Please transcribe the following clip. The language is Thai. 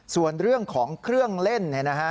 ส่วนเรื่องของเครื่องเล่นนะครับ